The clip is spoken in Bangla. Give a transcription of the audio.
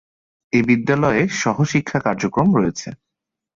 এ বিদ্যালয়ে সহ-শিক্ষা কার্যক্রম রয়েছে।